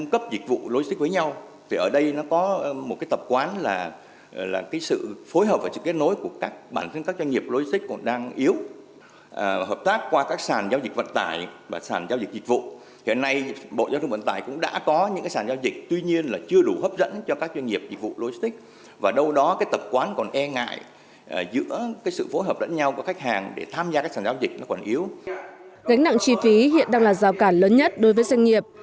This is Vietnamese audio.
gánh nặng chi phí hiện đang là giao cản lớn nhất đối với doanh nghiệp